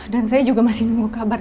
dan saya juga masih nunggu kabar